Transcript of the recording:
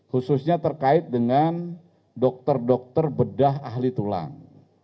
khususnya terkait dengan dokter dokter bedah ahli tulang